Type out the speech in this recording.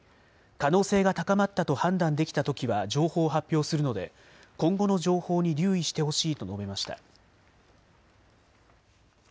可能性が高まったと判断できたときは情報を発表するので今後の情報に留意してほしいと述べました。